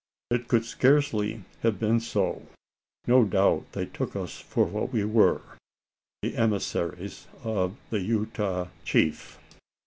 It could scarcely have been so. No doubt they took us for what we were: the emissaries of the Utah chief!